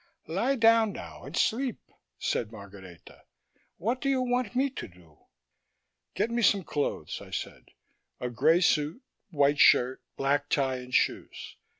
"Lie down now and sleep," said Margareta. "What do you want me to do?" "Get me some clothes," I said. "A grey suit, white shirt, black tie and shoes.